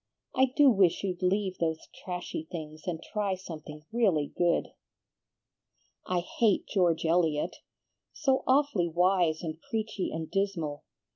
I do wish you'd leave those trashy things and try something really good." "I hate George Eliot, so awfully wise and preachy and dismal!